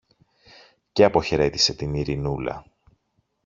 και αποχαιρέτησε την Ειρηνούλα.